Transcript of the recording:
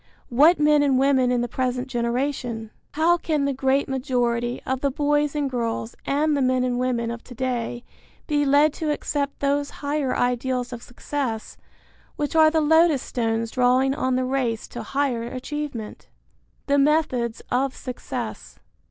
What men and women in the present generation? How can the great majority of the boys and girls and the men and women of to day be led to accept those higher ideals of success which are the lodestones drawing on the race to higher achievement? VI. THE METHODS OF SUCCESS.